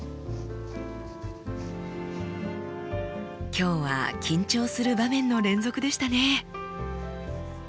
今日は緊張する場面の連続でしたね。